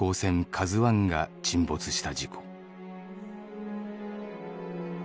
ＫＡＺＵⅠが沈没した事故。